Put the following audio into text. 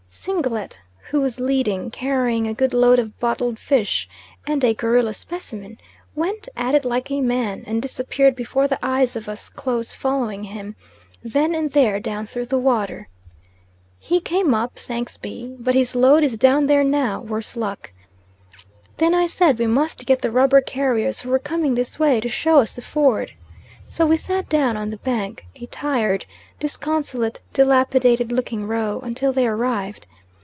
Singlet, who was leading, carrying a good load of bottled fish and a gorilla specimen, went at it like a man, and disappeared before the eyes of us close following him, then and there down through the water. He came up, thanks be, but his load is down there now, worse luck. Then I said we must get the rubber carriers who were coming this way to show us the ford; and so we sat down on the bank a tired, disconsolate, dilapidated looking row, until they arrived.